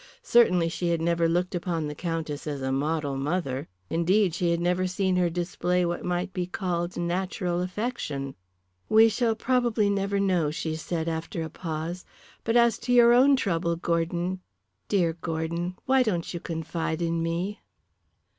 Certainly she had never looked upon the Countess as a model mother; indeed, she had never seen her display what might be called natural affection. "We shall probably never know," she said after a pause. "But as to your own trouble, Gordon, dear Gordon, why don't you confide in me?"